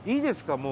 もう。